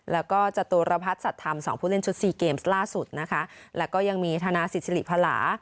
แล้วก็จตุรพัฒนสัตว์ธรรมสองผู้เล่นชุดสี่เกมส์ล่าสุดนะคะแล้วก็ยังมีธนาศิษริพลา